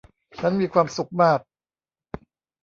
ฉันมีความสุขมาก !